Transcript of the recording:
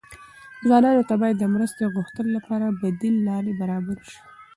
ځوانانو ته باید د مرستې غوښتلو لپاره بدیل لارې برابرې شي.